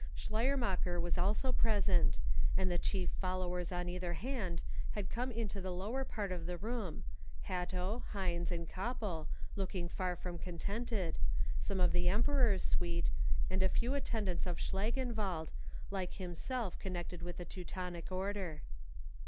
Schleiermacher was also present, and the chief followers on either hand had come into the lower part of the room—Hatto, Heinz, and Koppel, looking far from contented; some of the Emperor's suite; and a few attendants of Schlangenwald, like himself connected with the Teutonic Order.